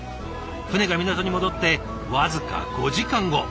船が港に戻って僅か５時間後。